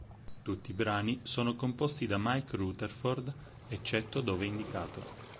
Tutti i brani sono composti da Mike Rutherford eccetto dove indicato.